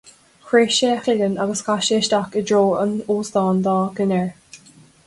Chroith sé a chloigeann agus chas isteach i dtreo an óstáin dá dhinnéar.